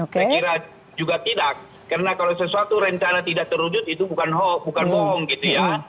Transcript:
saya kira juga tidak karena kalau sesuatu rencana tidak terwujud itu bukan hoax bukan bohong gitu ya